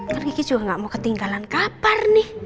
kan kiki juga nggak mau ketinggalan kapar nih